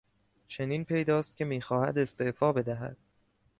چنین پیداست که میخواهد استعفا بدهد.